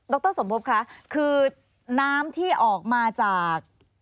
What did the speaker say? รสมภพคะคือน้ำที่ออกมาจาก